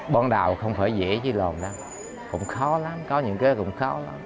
bọn đào không phải dễ chơi lồn đâu cũng khó lắm có những cái cũng khó lắm